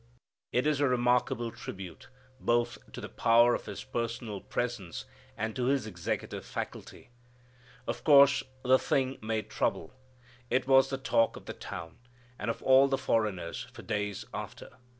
It is a remarkable tribute, both to the power of His personal presence and to His executive faculty. Of course the thing made trouble. It was the talk of the town, and of all the foreigners for days after.